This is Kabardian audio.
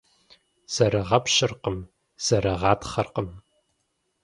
Зэрыгъэпщыркъым, зэрыгъатхъэркъым.